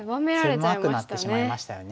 狭くなってしまいましたよね。